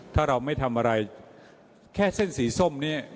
ถ้าเราไม่ทำอะไรแค่เส้นสีส้มเนี่ย